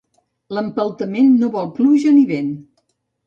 L'empeltament no vol pluja ni vent.